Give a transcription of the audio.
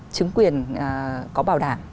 chứng quyền có bảo đảm